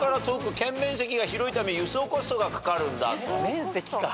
面積か。